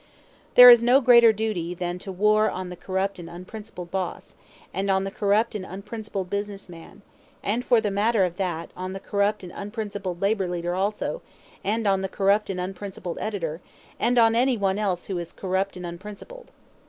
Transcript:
There is no greater duty than to war on the corrupt and unprincipled boss, and on the corrupt and unprincipled business man; and for the matter of that, on the corrupt and unprincipled labor leader also, and on the corrupt and unprincipled editor, and on any one else who is corrupt and unprincipled.